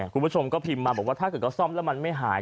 คุณผู้ชมก็พิมพ์มาบอกว่าถ้าเกิดก็ซ่อมแล้วมันไม่หาย